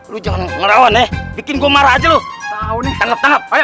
lu jangan ngerawan ya bikin gua marah aja lu tanggep tengep ayo